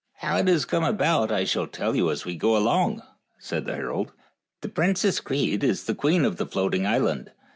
" How it has come about I shall tell you as we go along," said the herald. " The Princess Crede is the Queen of the Floating Island.